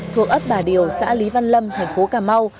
thuộc ấp bà điều xã lý văn lâm thành phố cà mau